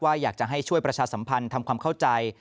อยากจะให้ช่วยประชาสัมพันธ์ทำความเข้าใจ